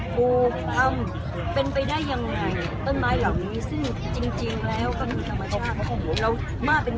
ปูทำเป็นไปได้ยังไงต้นไม้เหล่านี้ซึ่งจริงแล้วก็มีธรรมชาติ